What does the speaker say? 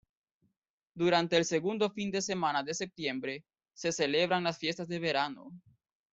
Durante el segundo fin de semana de septiembre, se celebran las fiestas de verano.